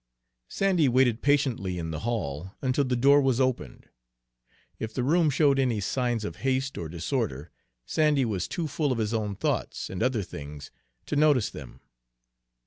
Sandy waited patiently in the hall until the door was opened. If the room showed any signs of haste or disorder, Sandy was too full of his own thoughts and other things to notice them.